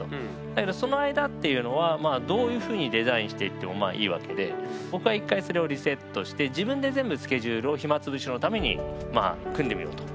だけどその間っていうのはどういうふうにデザインしていってもまあいいわけで僕は１回それをリセットして自分で全部スケジュールを暇つぶしのためにまあ組んでみようと。